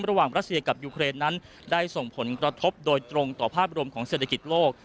รัสเซียกับยูเครนนั้นได้ส่งผลกระทบโดยตรงต่อภาพรวมของเศรษฐกิจโลก